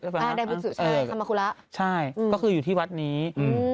ใช่ทำมาคูระใช่อืมก็คืออยู่ที่วัดนี้อืม